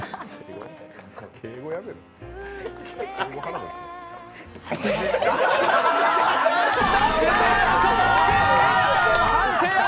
敬語やめや。